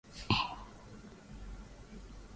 Mtoto alinyoa kipara